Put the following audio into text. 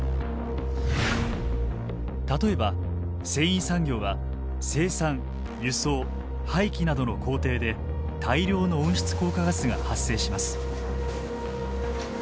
例えば繊維産業は生産輸送廃棄などの工程で大量の温室効果ガスが発生します。